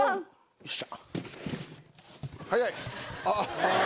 よっしゃ！